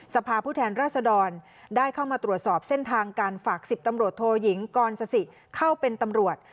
สภาพผู้แทนราษดรได้เข้ามาตรวจสอบเส้นทางการฝาก๑๐ตำรวจโทยิงกรสสิเข้าเป็นตำรวจ